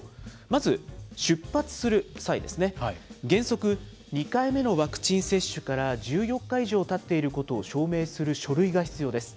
まず出発する際ですね、原則、２回目のワクチン接種から１４日以上たっていることを証明する書類が必要です。